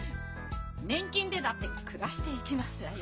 年金でだって暮らしていきますわよ。